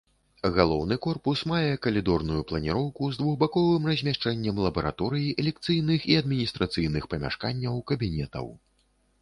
Галоўны корпус мае калідорную планіроўку з двухбаковым размяшчэннем лабараторый, лекцыйных і адміністрацыйных памяшканняў, кабінетаў.